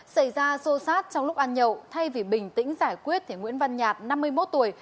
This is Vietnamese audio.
xảy ra xô xát trong lúc ăn nhậu thay vì bình tĩnh giải quyết thì nguyễn văn nhạt năm mươi một tuổi